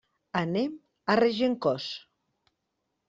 Anem a Regencós.